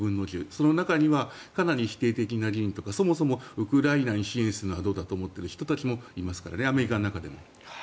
その中で見るとかなり否定的な目とかそもそもウクライナに支援するのはどうだと思っている人たちもいますからねアメリカの中でも。